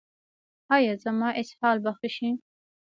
ایا زما اسهال به ښه شي؟